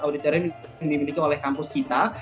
auditorium yang dimiliki oleh kampus kita